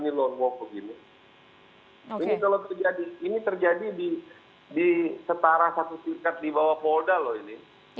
ini terjadi di setara satu sikat di bawah polda loh ini